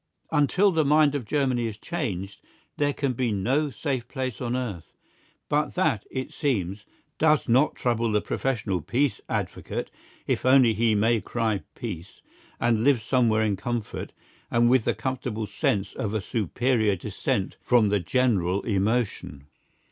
Until the mind of Germany is changed, there can be no safe peace on earth. But that, it seems, does not trouble the professional peace advocate if only he may cry Peace, and live somewhere in comfort, and with the comfortable sense of a superior dissent from the general emotion.